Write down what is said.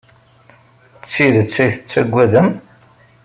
D tidet ay tettaggadem?